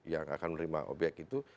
yang akan menerima obyek itu